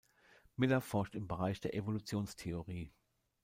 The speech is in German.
Miller forscht im Bereich der Evolutionstheorie.